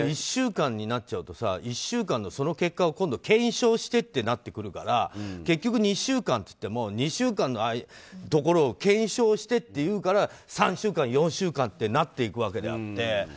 １週間になっちゃうと１週間でこの結果を検証してってなっちゃうから結局、２週間といっても２週間のところを検証してというから３週間、４週間ってなっていくわけであって。